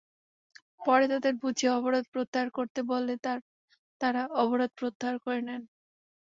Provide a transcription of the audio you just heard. পরে তাঁদের বুঝিয়ে অবরোধ প্রত্যাহার করতে বললে তাঁরা অবরোধ প্রত্যাহার করে নেন।